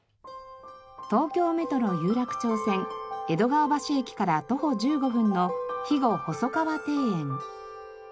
東京メトロ有楽町線江戸川橋駅から徒歩１５分の肥後細川庭園。